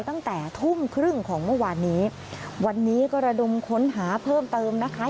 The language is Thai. ตั้งแต่ทุ่มครึ่งของเมื่อวานนี้วันนี้ก็ระดมค้นหาเพิ่มเติมนะคะ